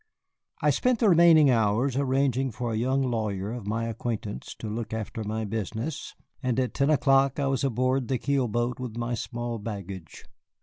I spent the remaining hours arranging with a young lawyer of my acquaintance to look after my business, and at ten o'clock I was aboard the keel boat with my small baggage.